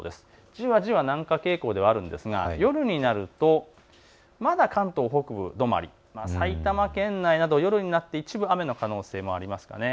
じわじわ南下傾向ではあるんですが夜になるとまた関東北部止まり、埼玉県内など夜になって一部、雨の可能性もあります。